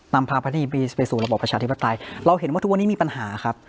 นำพาประเทศบีไปสู่ระบบประชาธิปไตยเราเห็นว่าทุกวันนี้มีปัญหาครับ